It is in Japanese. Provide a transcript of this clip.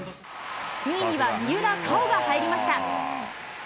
２位には三浦佳生が入りました。